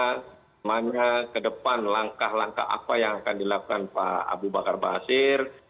bagaimana ke depan langkah langkah apa yang akan dilakukan pak abu bakar basir